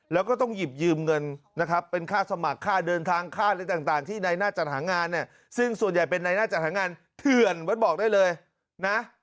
แล้วก็ต้องหยิบยืมเงินนะครับเป็นค่าสมัครค่าเดินทางค่าอะไรต่างที่ในหน้าจัดหางานเนี่ยซึ่งส่วนใหญ่เป็นในหน้าจัดหางานเถื่อนวัดบอกได้เลยนะ